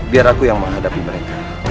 biar aku yang menghadapi mereka